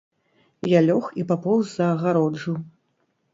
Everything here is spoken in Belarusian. Я лёг і папоўз за агароджу.